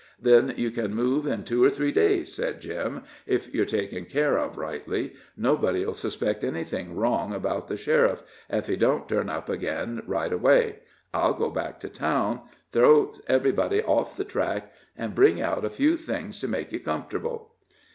"Then you can move in two or three days," said Jim, "if you're taken care of rightly. Nobody'll suspect anything wrong about the sheriff, ef he don't turn up again right away. I'll go back to town, throw everybody off the track, and bring out a few things to make you comfortable."